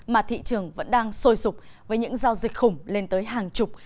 mà thị trường vẫn đang sôi sụp với những giao dịch khủng lên tới hàng chục